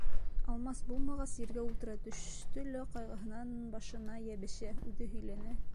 Алмас булмағас, ергә ултыра төшә лә ҡайғыһынан башына йәбешә, үҙе һөйләнә: